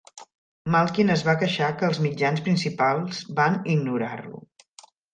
Malkin es va queixar que els mitjans principals va ignorar-ho.